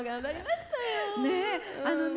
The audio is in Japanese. あのね